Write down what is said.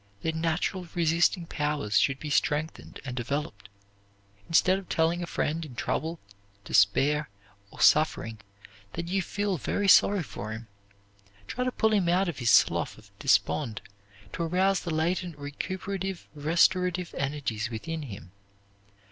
Their natural resisting powers should be strengthened and developed. Instead of telling a friend in trouble, despair, or suffering that you feel very sorry for him, try to pull him out of his slough of despond, to arouse the latent recuperative, restorative energies within him.